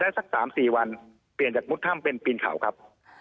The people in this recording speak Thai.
ได้สักสามสี่วันเปลี่ยนจากมุฒร์ถ้ำเป็นปรีงเผาครับ